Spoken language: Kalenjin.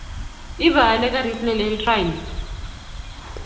Ipaale karit nelel raini